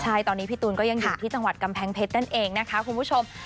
ใช่ตอนนี้พี่ตูนก็ยังอยู่ที่จังหวัดกำแพงเพชรนั่นเองนะคะคุณผู้ชม